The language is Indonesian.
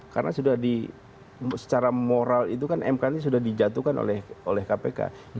karena sudah secara moral itu kan mk ini sudah dijatuhkan oleh kpk